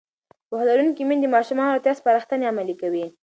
پوهه لرونکې میندې د ماشومانو د روغتیا سپارښتنې عملي کوي.